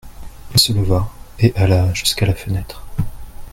Il se leva et alla jusqu'à la fenêtre.